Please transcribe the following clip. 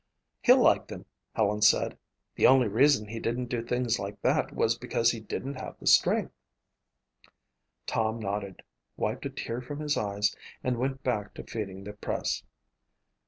"He'll like them," Helen said. "The only reason he didn't do things like that was because he didn't have the strength." Tom nodded, wiped a tear from his eyes, and went back to feeding the press.